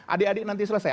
adik adik nanti selesai